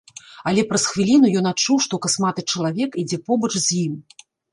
Але праз хвіліну ён адчуў, што касматы чалавек ідзе побач з ім.